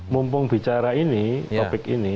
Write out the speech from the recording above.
mumpung bicara ini topik ini